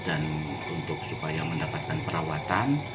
dan untuk supaya mendapatkan perawatan